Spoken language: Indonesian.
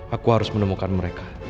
aku harus menemukan mereka